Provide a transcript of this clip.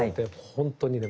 本当にね